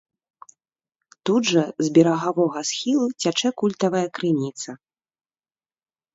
Тут жа з берагавога схілу цячэ культавая крыніца.